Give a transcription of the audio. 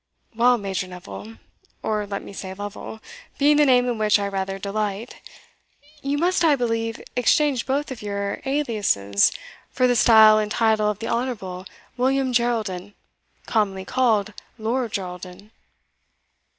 "Well, Major Neville or let me say, Lovel, being the name in which I rather delight you must, I believe, exchange both of your alias's for the style and title of the Honourable William Geraldin, commonly called Lord Geraldin."